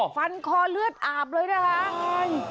คอเลือดอาบเลยนะคะ